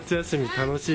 楽しい。